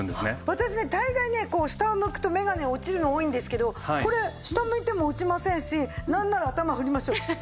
私ね大概ねこう下を向くと眼鏡落ちるの多いんですけどこれ下向いても落ちませんしなんなら頭振りましょう。